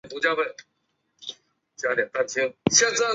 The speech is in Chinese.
因为他与一休宗纯间的往来而广为人知。